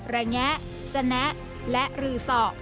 ระแยะจะแนะและรือศ